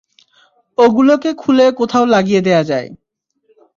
ওগুলোকে খুলে কোথাও লাগিয়ে দেয়া যায়!